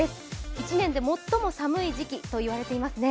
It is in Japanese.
１年で最も寒い時期といわれてますね。